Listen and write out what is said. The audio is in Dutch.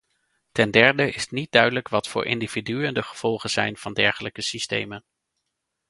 Ten derde is niet duidelijk wat voor individuen de gevolgen zijn van dergelijke systemen.